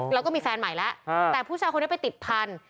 แล้วก็มีแฟนใหม่แล้วแต่ผู้ชายคนนี้ไปติดพันธุ